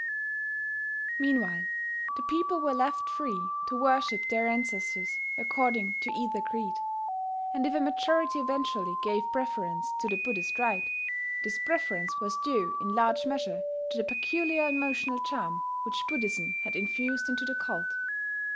Meanwhile the people were left free to worship their ancestors according to either creed; and if a majority eventually gave preference to the Buddhist rite, this preference was due in large measure to the peculiar emotional charm which Buddhism had infused into the cult.